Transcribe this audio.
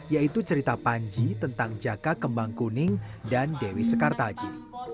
yaitu cerita panji tentang jaka kembang kuning dan dewi sekartaji